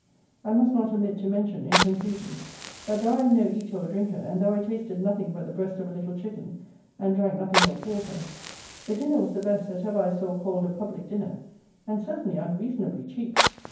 I must not omit to mention, in conclusion, that though I am no eater or drinker, and though I tasted nothing but the breast of a little chicken, and drank nothing but water, the dinner was the best that ever I saw called a public dinner, and certainly unreasonably cheap.